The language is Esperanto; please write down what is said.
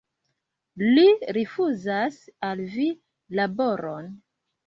Li rifuzas al vi laboron.